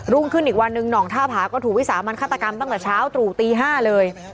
รุ่งขึ้นอีกวันหนึ่งหน่องท่าผาก็ถูกวิสามันฆาตกรรมตั้งแต่เช้าตรู่ตี๕เลย